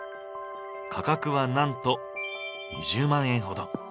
価格はなんと２０万円ほど。